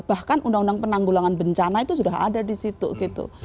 bahkan undang undang penanggulangan bencana itu sudah ada di situ gitu